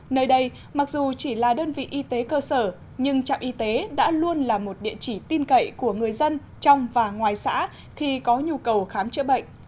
nơi đây mặc dù chỉ là đơn vị y tế cơ sở nhưng trạm y tế đã luôn là một địa chỉ tin cậy của người dân trong và ngoài xã khi có nhu cầu khám chữa bệnh